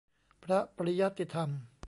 พระปริยัติธรรม